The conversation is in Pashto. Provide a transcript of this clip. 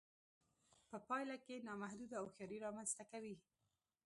په پایله کې نامحدوده هوښیاري رامنځته کوي